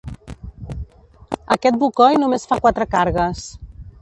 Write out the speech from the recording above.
Aquest bocoi només fa quatre cargues.